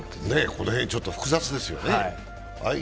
この辺、ちょっと複雑ですよね。